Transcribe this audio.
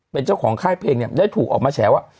เป็นเจ้าของค่ายเพลงเนี่ยได้ถูกออกมาแฉว่า